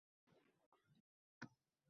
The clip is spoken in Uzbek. Kuyla, shoiram!